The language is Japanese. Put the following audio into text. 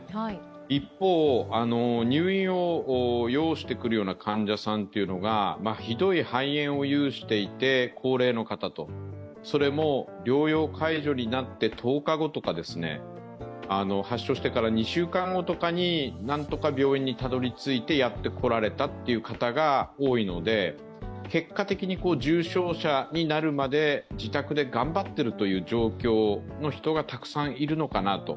一方、入院を要してくるような患者さんっていうのがひどい肺炎を有していて高齢の方と、それも療養解除になって１０日後とか発症してから２週間後とかになんとか病院にたどりついてやってこられたという方が多いので、結果的に重症者になるまで自宅で頑張ってるという状況の人がたくさんいるのかなと。